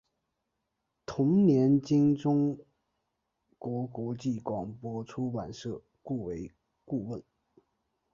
同年经中国国际广播出版社雇为顾问。